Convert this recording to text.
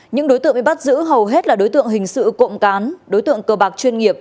những đối tượng bị bắt giữ hầu hết là đối tượng hình sự cộng cán đối tượng cờ bạc chuyên nghiệp